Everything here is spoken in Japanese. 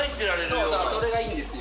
そうそう、それがいいんです